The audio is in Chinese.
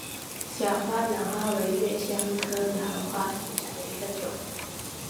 小花荛花为瑞香科荛花属下的一个种。